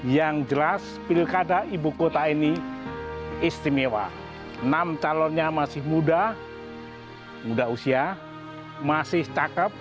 yang jelas pilkada ibu kota ini istimewa enam calonnya masih muda muda usia masih cakep